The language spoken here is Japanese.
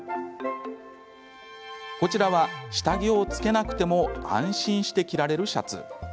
こちらは、下着を着けなくても安心して着られるシャツ。